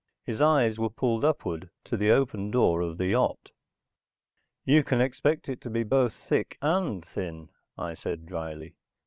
His eyes were pulled upward to the open door of the yacht. "You can expect it to be both thick and thin," I said drily.